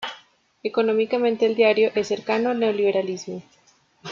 Económicamente el diario es cercano al neoliberalismo.